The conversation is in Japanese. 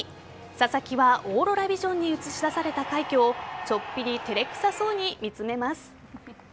佐々木はオーロラビジョンに映し出された快挙をちょっぴり照れくさそうに見つめます。